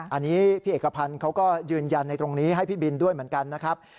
อันนี้พี่เอกพันธ์เขาก็ยืนยันในตรงนี้ให้พี่บินด้วยเหมือนกันนะครับ